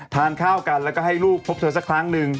ทานข้าวกันแล้วก็ให้ลูกพบเธอสักครั้งหนึ่ง